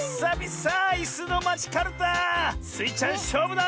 スイちゃんしょうぶだ！